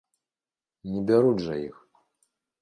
Не бяруць жа іх.